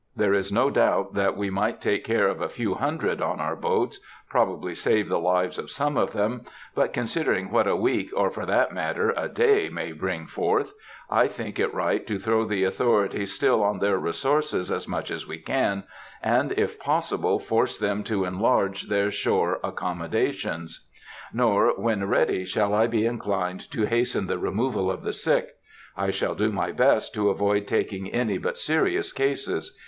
There is no doubt that we might take care of a few hundred on our boats,—probably save the lives of some of them; but considering what a week, or, for that matter, a day, may bring forth, I think it right to throw the authorities still on their resources as much as we can, and, if possible, force them to enlarge their shore accommodations.... Nor, when ready, shall I be inclined to hasten the removal of the sick. I shall do my best to avoid taking any but serious cases.